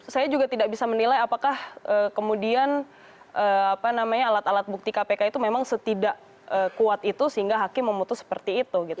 saya juga tidak bisa menilai apakah kemudian alat alat bukti kpk itu memang setidak kuat itu sehingga hakim memutus seperti itu gitu